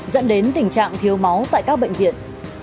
dẫn đến tình trạng thiếu máu tại các bệnh viện